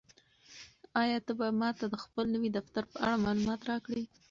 آیا ته به ماته د خپل نوي دفتر په اړه معلومات راکړې؟